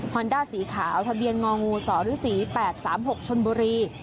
อนด้าสีขาวทะเบียนงองูสฤษี๘๓๖ชนบุรี